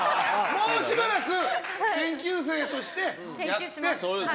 もうしばらく研究生として、やって。